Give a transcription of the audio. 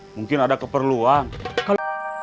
mungkin ada keperluan